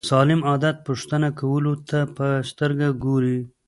سالم عادت پوښتنه کولو ته په سترګه وګورو.